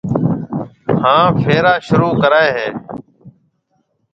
ھان ڦيرا شروع ڪرائيَ ھيََََ